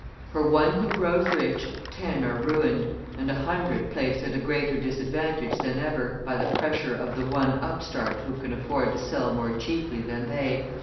For one who grows rich ten are ruined, and a hundred placed at a greater disadvantage than ever, by the pressure of the one upstart who can afford to sell more cheaply than they.